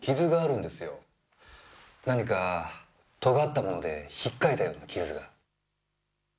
何か尖ったもので引っ掻いたような傷が。